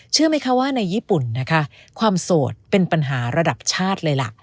เชื่อไหมคะว่าในญี่ปุ่นนะคะความโสดเป็นปัญหาระดับชาติเลยล่ะ